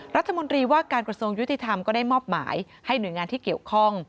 รัฐมนตรีว่าการกระทรวงยุติธรรมก็ได้มอบหมายให้หน่วยงานที่เกี่ยวข้อง